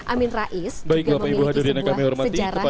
amin rais juga memiliki sebuah sejarah